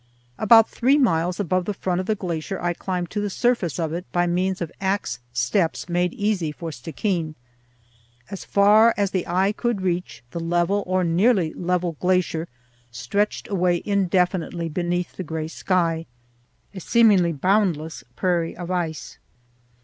About three miles above the front of the glacier I climbed to the surface of it by means of axe steps made easy for Stickeen. As far as the eye could reach, the level, or nearly level, glacier stretched away indefinitely beneath the gray sky, a seemingly boundless prairie of ice.